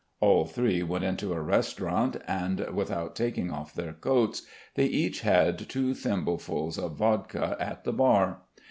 All three went into a restaurant and without taking off their coats they each had two thimblefuls of vodka at the bar.